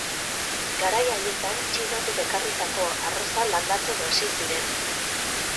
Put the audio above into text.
Garai haietan, Txinatik ekarritako arroza landatzen hasi ziren.